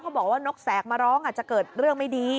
บอกว่านกแสกมาร้องอาจจะเกิดเรื่องไม่ดี